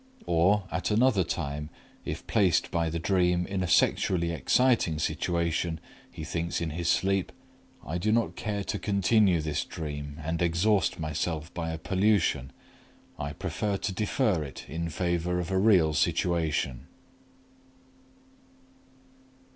Or, at another time, if placed by the dream in a sexually exciting situation, he thinks in his sleep: "I do not care to continue this dream and exhaust myself by a pollution; I prefer to defer it in favor of a real situation."